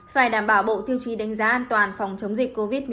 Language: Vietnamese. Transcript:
phải đảm bảo bộ tiêu chí đánh giá an toàn phòng chống dịch covid một mươi chín